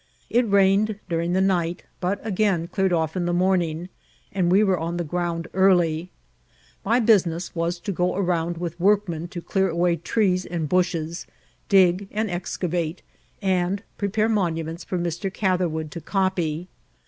It rained during the night, but again cleared off in the morning, and we were on the ground early. My business was to go around with workmen to clear away trees and bushes, dig, and ex cavate, and prepare monuments for Mr. Catherwood to copy.